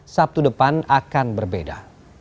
sabtu depan akan berbeda